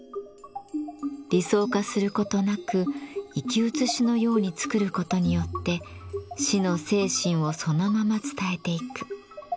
理想化することなく生き写しのようにつくることによって師の精神をそのまま伝えていく。